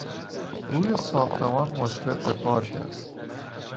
روی ساختمان مشرف به پارک است.